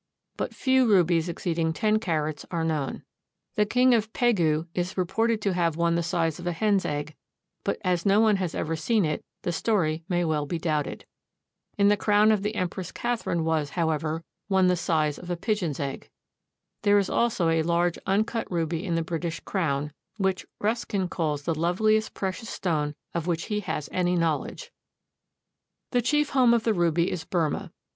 But few rubies exceeding ten carats are known. The King of Pegu is reported to have one the size of a hen's egg, but as no one has ever seen it the story may well be doubted. In the crown of the Empress Catherine was, however, one the size of a pigeon's egg. There is also a large uncut ruby in the British crown, which Ruskin calls the loveliest precious stone of which he has any knowledge. The chief home of the ruby is Burmah.